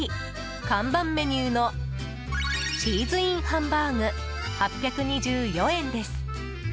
看板メニューのチーズＩＮハンバーグ８２４円です。